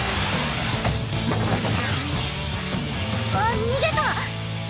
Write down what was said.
あっ逃げた。